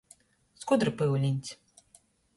Skudru pyuliņs.